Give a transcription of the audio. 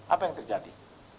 apa yang terjadi